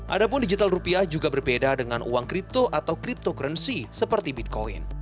adapun digital rupiah juga berbeda dengan uang kripto atau cryptocurrency seperti bitcoin